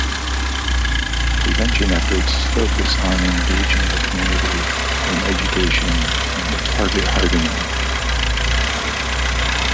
Prevention efforts focus on engaging the community in education and target hardening.